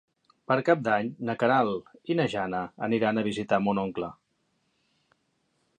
Per Cap d'Any na Queralt i na Jana aniran a visitar mon oncle.